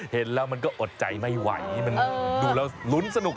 เห็นแล้วมันก็อดใจไม่ไหวมันดูแล้วลุ้นสนุก